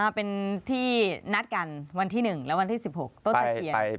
เป็นที่นัดกันวันที่๑และวันที่๑๖ต้นตะเคียน